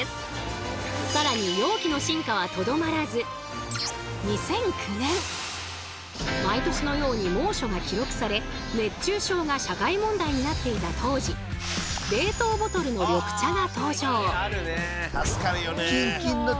さらに容器の進化はとどまらず２００９年毎年のように猛暑が記録され熱中症が社会問題になっていた当時「冷凍ボトル」の緑茶が登場。